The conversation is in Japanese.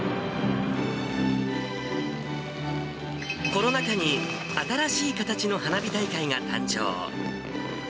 コロナ禍に新しい形の花火大会が誕生。